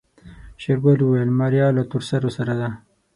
شېرګل وويل ماريا له تورسرو سره ده.